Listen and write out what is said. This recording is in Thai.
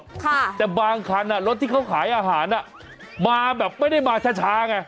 ค่ะแต่บางทันรถที่เขาขายอาหารมาแบบไม่ได้มาช้าไง